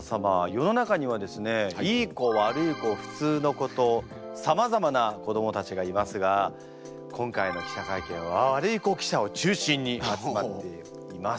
世の中にはですねいい子悪い子普通の子とさまざまな子どもたちがいますが今回の記者会見はワルイコ記者を中心に集まっています。